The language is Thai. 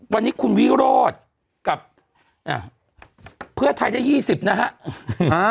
วันนี้คุณวิโรธกับเพื่อไทยได้๒๐นะฮะ